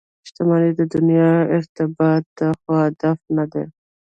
• شتمني د دنیا اړتیا ده، خو هدف نه دی.